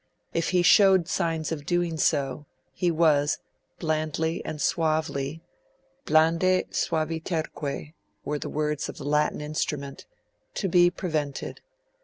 If he showed signs of doing so, he was blandly and suavely ('blande suaviterque' were the words of the Latin instrument) to be prevented.